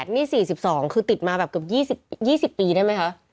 นี่๔๒คือติดมาแบบเกือบ๒๐ปีได้ไหมคะ